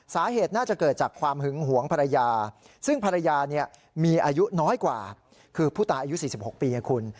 สาเหตุน่าจะเกิดจากความหึงหวงภรรยาซึ่งภรรยาเนี่ยมีอายุน้อยกว่าคือผู้ตายอายุ๔๖ปีคุณ